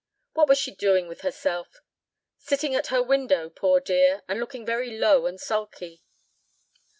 "What was she doing with herself?" "Sitting at her window, poor dear, and looking very low and sulky."